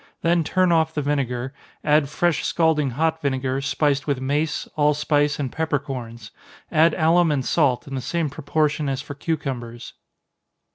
Then turn off the vinegar add fresh scalding hot vinegar, spiced with mace, allspice, and peppercorns add alum and salt, in the same proportion as for cucumbers.